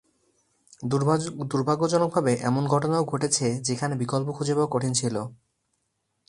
দুর্ভাগ্যজনকভাবে এমন ঘটনাও ঘটেছে যেখানে বিকল্প খুঁজে পাওয়া কঠিন ছিল।